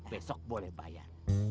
besok boleh bayar